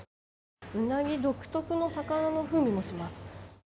うなぎ独特の魚の風味もします。